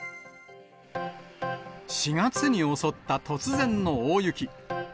４月に襲った突然の大雪。